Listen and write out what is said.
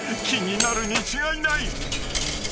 気になるに違いない］